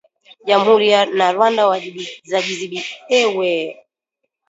Jamhuri na Rwanda zajibizana kuhusu waasi wa